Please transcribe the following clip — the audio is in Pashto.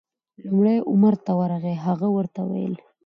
لومړی عمر ته ورغی، هغه ورته وویل: